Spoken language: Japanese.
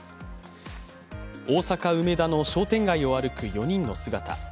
大阪・梅田の商店街を歩く４人の姿。